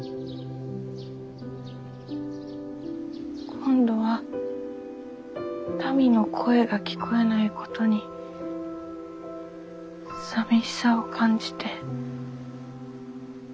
今度は民の声が聞こえないことに寂しさを感じて。